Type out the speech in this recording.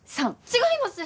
違います！